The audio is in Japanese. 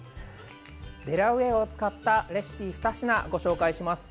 デラウエアを使ったレシピ２品ご紹介します。